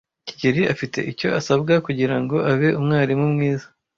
kigeli afite icyo asabwa kugirango abe umwarimu mwiza.